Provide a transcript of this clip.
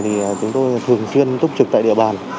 thì chúng tôi thường xuyên túc trực tại địa bàn